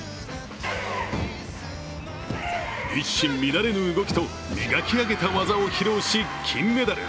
一糸乱れぬ動きと磨き上げた技を披露し金メダル。